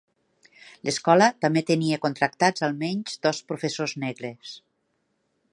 L'escola també tenia contractats almenys dos professors negres.